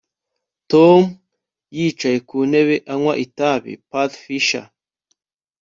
Tom yicaye ku ntebe anywa itabi patgfisher